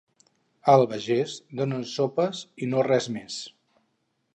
A Albagés donen sopes i no res més.